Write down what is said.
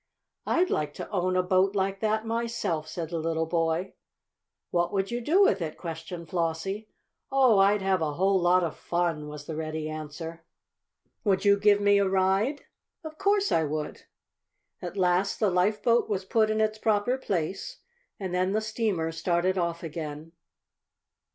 "I'd like to own a boat like that myself," said the little boy. "What would you do with it?" questioned Flossie. "Oh, I'd have a whole lot of fun," was the ready answer. "Would you give me a ride?" "Of course I would!" At last the lifeboat was put in its proper place, and then the steamer started off again.